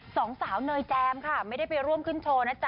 สองสาวเนยแจมค่ะไม่ได้ไปร่วมขึ้นโชว์นะจ๊